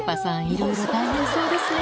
いろいろ大変そうですね